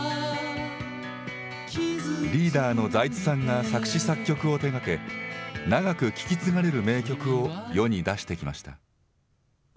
リーダーの財津さんが作詞作曲を手がけ、長く聴き継がれる名曲を世に出してきました。